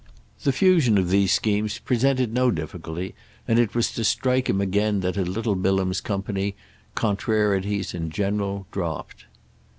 The fusion of these schemes presented no difficulty, and it was to strike him again that in little Bilham's company contrarieties in general dropped.